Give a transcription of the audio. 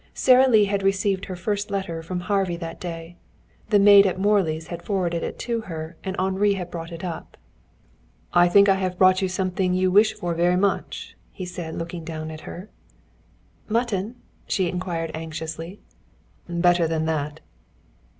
Sara Lee had received her first letter from Harvey that day. The maid at Morley's had forwarded it to her, and Henri had brought it up. "I think I have brought you something you wish for very much," he said, looking down at her. "Mutton?" she inquired anxiously. "Better than that."